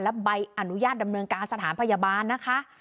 และใบอนุญาตดำเนินการสถานพยาบาลนะคะ